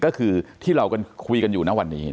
ก็คือที่เราคุยกันอยู่นะวันนี้